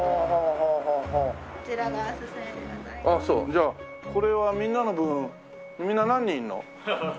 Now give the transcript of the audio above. じゃあこれはみんなの分みんな何人いるの？